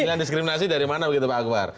dengan diskriminasi dari mana begitu pak akbar